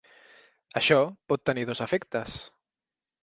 Això pot tenir dos efectes.